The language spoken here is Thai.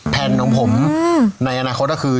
แผ่นของผมในอนาคตก็คือ